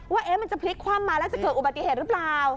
ว่ามันจะพลิกคว่ำมาแล้วจะเกิดอุบัติเหตุหรือเปล่า